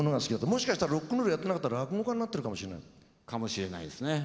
もしかしたらロックンロ−ルをやってなかったら落語家になっているかもしれない？かもしれないですね。